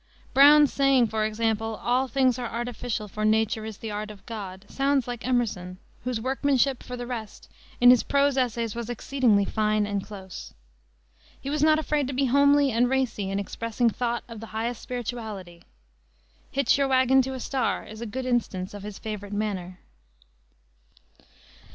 Browne's saying, for example, "All things are artificial, for nature is the art of God," sounds like Emerson, whose workmanship, for the rest, in his prose essays was exceedingly fine and close. He was not afraid to be homely and racy in expressing thought of the highest spirituality. "Hitch your wagon to a star" is a good instance of his favorite manner.